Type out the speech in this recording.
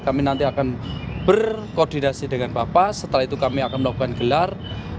kami nanti akan berkoordinasi dengan bapak setelah itu kami akan melakukan gelar